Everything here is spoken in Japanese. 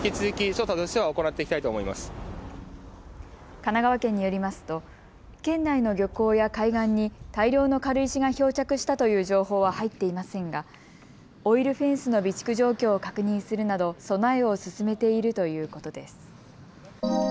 神奈川県によりますと県内の漁港や海岸に大量の軽石が漂着したという情報は入っていませんがオイルフェンスの備蓄状況を確認するなど備えを進めているということです。